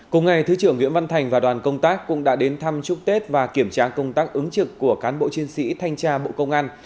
cùng ngày thứ trưởng nguyễn văn thành và đoàn công tác cũng đã đến thăm chúc tết và kiểm tra công tác ứng trực của cán bộ chiến sĩ thanh tra bộ công an